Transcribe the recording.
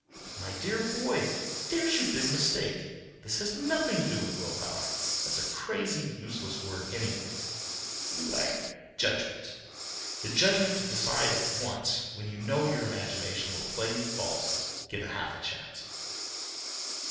"My dear boy, there's your big mistake. This has nothing to do with will power; that's a crazy, useless word, anyway; you lack judgment—the judgment to decide at once when you know your imagination will play you false, given half a chance."